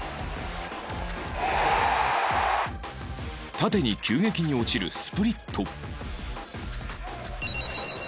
縦に急激に落ちるスプリット